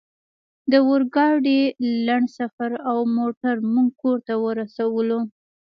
د اورګاډي لنډ سفر او موټر موږ کور ته ورسولو